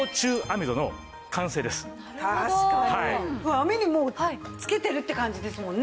網にもう付けてるって感じですもんね。